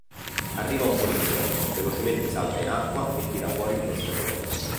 Arriva un poliziotto, velocemente salta in acqua e tira fuori il pescatore.